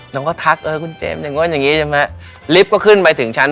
เราก็ทักเออคุณเจมส์อย่างนู้นอย่างนี้ใช่ไหมลิฟต์ก็ขึ้นไปถึงชั้น